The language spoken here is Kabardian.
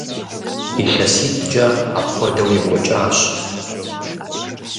ИлъэситӀкӀэ апхуэдэу екӀуэкӀащ.